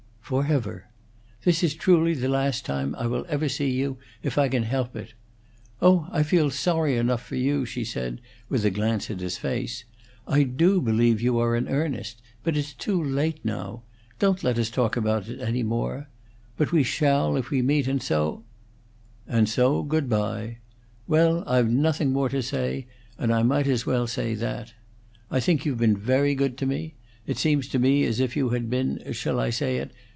"Forever. This is truly the last time I will ever see you if I can help it. Oh, I feel sorry enough for you!" she said, with a glance at his face. "I do believe you are in earnest. But it's too late now. Don't let us talk about it any more! But we shall, if we meet, and so, " "And so good bye! Well, I've nothing more to say, and I might as well say that. I think you've been very good to me. It seems to me as if you had been shall I say it?